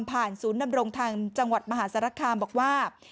ผ่านศูนย์ดำรงทางจังหวัดมหาสรรคาบอกว่า